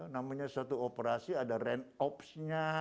namanya suatu operasi ada run opsnya